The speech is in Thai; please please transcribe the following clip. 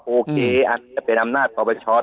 โอเคอาจจะเป็นอำนาจปปช